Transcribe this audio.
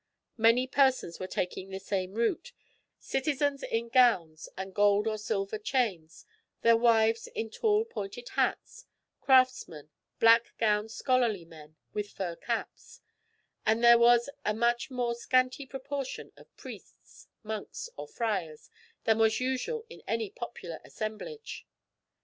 Many persons were taking the same route; citizens in gowns and gold or silver chains, their wives in tall pointed hats; craftsmen, black gowned scholarly men with fur caps, but there was a much more scanty proportion of priests, monks or friars, than was usual in any popular assemblage.